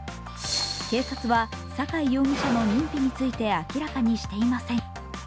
警察は阪井容疑者の認否について明らかにしていません。